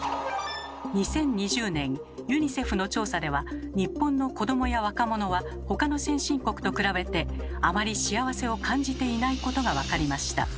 ２０２０年、ユニセフの調査では日本の子どもや若者はほかの先進国と比べてあまり幸せを感じていないことが分かりました。